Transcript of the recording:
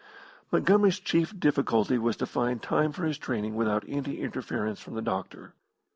Montgomery's chief difficulty was to find time for his training without any interference from the doctor.